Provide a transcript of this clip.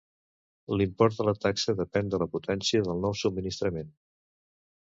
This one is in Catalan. L'import de la taxa depèn de la potència del nou subministrament.